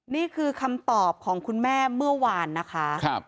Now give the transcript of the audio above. นี่คือคำตอบของคุณแม่เมื่อวานนะคะ